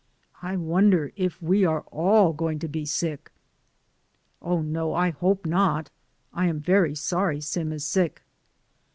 I wonder if we are all going to be sick?" "Oh, no ; I hope not. I am very sorry Sim is sick."